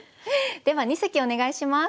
では二席お願いします。